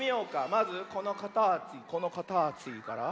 まずこのかたちこのかたちから。